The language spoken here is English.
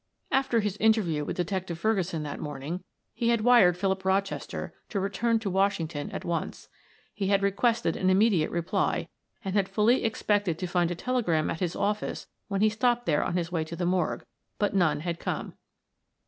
After his interview with Detective Ferguson that morning, he had wired Philip Rochester to return to Washington at once. He had requested an immediate reply, and had fully expected to find a telegram at his office when he stopped there on his way to the morgue, but none had come.